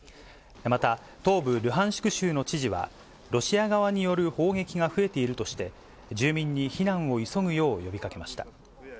また、東部ルハンシク州の知事は、ロシア側による砲撃が増えているとして、住民に避難を急ぐよう呼びかけました。